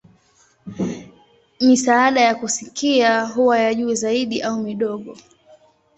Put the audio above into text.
Misaada ya kusikia huwa ya juu zaidi au midogo.